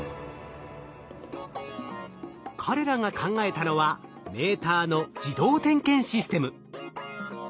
彼らが考えたのはメーターの自動点検システム。